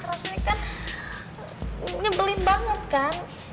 rasanya kan nyebelin banget kan